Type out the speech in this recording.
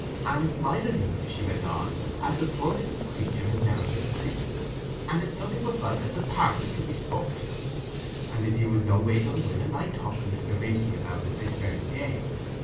"And it's my belief," she went on, "as the poor little creatur has never been christened, and it's nothing but right as the parson should be spoke to; and if you was noways unwilling, I'd talk to Mr. Macey about it this very day.